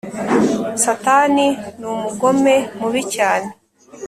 Satani numugome mubi cyane